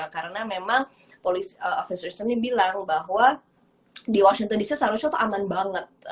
karena memang police officer ini bilang bahwa di washington dc selalu contoh aman banget